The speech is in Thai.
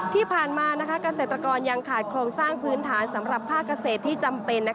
ที่ผ่านมาเกษตรกรยังขาดโครงสร้างพื้นฐานสำหรับภาคเกษตรที่จำเป็น